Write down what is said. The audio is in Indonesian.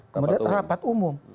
kemudian rapat umum